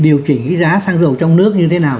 điều chỉnh giá xăng dầu trong nước như thế nào